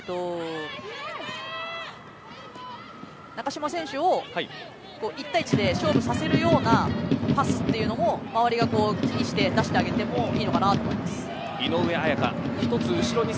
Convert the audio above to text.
中嶋選手を１対１で勝負させるようなパスというのも周りが気にして出してあげてもいいのかなと思います。